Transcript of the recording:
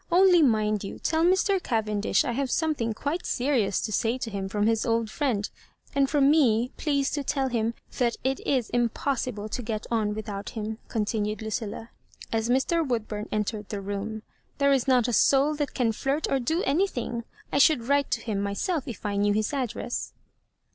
Only mind you tell Mr. Caven dish I have something quite serious to say to him from his old friend; and from me, please to tell him, that it is impossible to get on without him," continued Lucilla, as Mr. Woodbum en ' tered the room. " There is not a soul that can flirt or do anything. I should write to him my self if I knew his address."